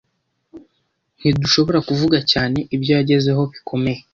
Ntidushobora kuvuga cyane ibyo yagezeho bikomeye.